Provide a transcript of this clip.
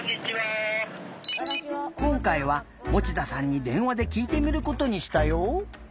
こんかいは持田さんにでんわできいてみることにしたよ。